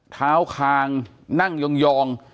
เท้าคางนั่งยองยอง